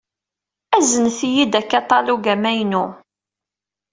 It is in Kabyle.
Aznet-iyi-d akaṭalug amaynu.